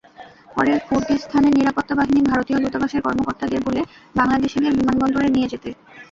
পরে কুর্দিস্তানের নিরাপত্তা বাহিনী ভারতীয় দূতাবাসের কর্মকর্তাদের বলে বাংলাদেশিদের বিমানবন্দরে নিয়ে যেতে।